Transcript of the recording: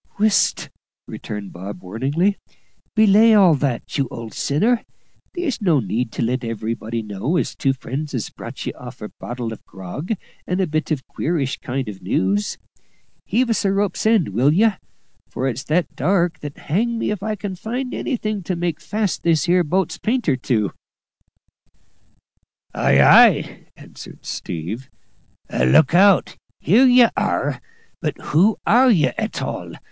"Whisht!" returned Bob warningly. "Belay all that, you old sinner; there's no need to let everybody know as two friends has brought ye off a bottle of grog and a bit of queerish kind of news. Heave us a rope's end, will ye? for it's that dark that hang me if I can find anything to make fast this here boat's painter to!" "Ay, ay," answered "Steve;" "look out here ye are! But who are ye at all?